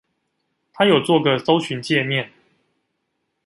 他有做個搜尋介面